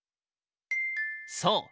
そう。